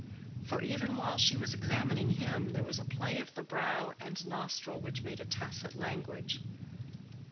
For even while she was examining him there was a play of the brow and nostril which made a tacit language.